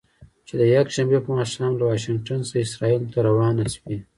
چې د یکشنبې په ماښام له واشنګټن څخه اسرائیلو ته روانه شوې.